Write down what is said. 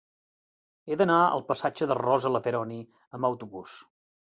He d'anar al passatge de Rosa Leveroni amb autobús.